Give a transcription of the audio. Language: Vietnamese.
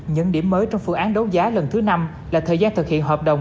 những điểm mới trong phương án đấu giá lần thứ năm là thời gian thực hiện hợp đồng